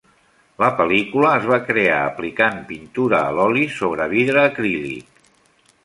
La pel·lícula es va crear aplicant pintura a l'oli sobre vidre acrílic.